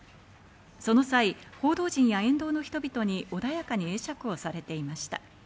その際、報道陣や沿道の人々に穏やかに会釈をされていました。